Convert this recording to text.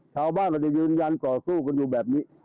ชาวบ้านอาจจะยืนยันก่อสู้กันอยู่แบบนี้